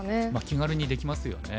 気軽にできますよね。